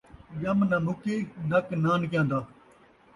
ڄم ناں مُکی ، نک نانکیاں دا